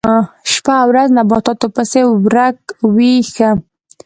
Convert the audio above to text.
شپه او ورځ نباتاتو پسې ورک وي ښه.